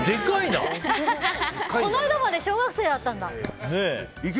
この間まで小学生だったんだ。